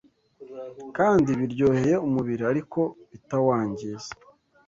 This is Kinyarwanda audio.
kandi biryoheye umubiri ariko bitawangiza